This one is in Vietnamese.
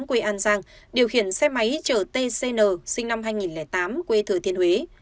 quê an giang điều khiển xe máy chở t c n sinh năm hai nghìn tám quê thừa thiên huế